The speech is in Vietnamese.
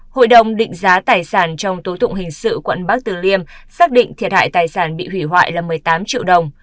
hội đồng định giá tài sản trong tố tụng hình sự quận bắc tử liêm xác định thiệt hại tài sản bị hủy hoại là một mươi tám triệu đồng